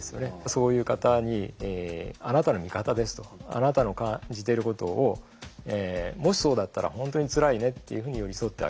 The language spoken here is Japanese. そういう方にあなたの味方ですとあなたの感じていることをもしそうだったら本当につらいねっていうふうに寄り添ってあげる。